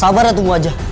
sabarnya tunggu aja